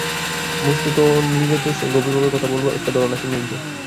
বস্তুত নিরতিশয় গভীরভাবে কথা বলবার একটা ধরন আছে নীরদের।